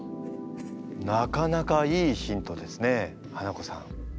なかなかいいヒントですねハナコさん。